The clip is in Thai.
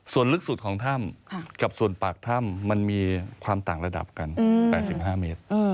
ส่วนลึกสุดของถ้ำกับส่วนปากถ้ำมันมีความต่างระดับกัน๘๕เมตร